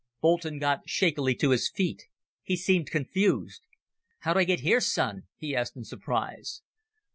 Boulton got shakily to his feet. He seemed confused. "How'd I get here, son?" he asked in surprise.